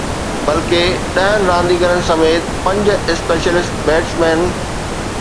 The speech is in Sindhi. بلڪه ڏهن رانديگرن سميت پنج اسپيشلسٽ بيٽسمين